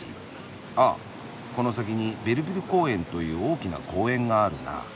あっこの先にベルヴィル公園という大きな公園があるな。